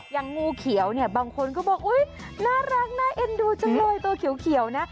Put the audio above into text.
งูเขียวเนี่ยบางคนก็บอกอุ๊ยน่ารักน่าเอ็นดูจังเลยตัวเขียวนะ